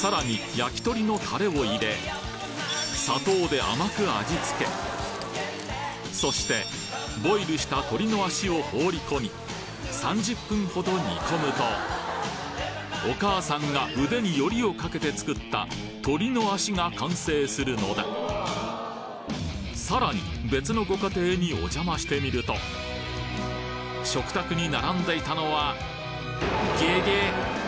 焼き鳥のタレを入れ砂糖で甘く味付けそしてボイルした鶏の足を放り込み３０分ほど煮込むとお母さんが腕によりをかけて作った鶏の足が完成するのださらに別のご家庭にお邪魔してみると食卓に並んでいたのはゲゲッ！